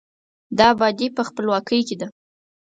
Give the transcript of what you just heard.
د آبادي په، خپلواکۍ کې ده.